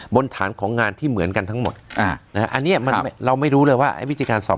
บนฐานของงานที่เหมือนกันทั้งหมดอันนี้มันเราไม่รู้เลยว่าไอ้วิธีการสอบ